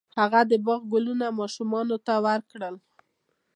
هغه د باغ ګلونه ماشومانو ته ورکړل.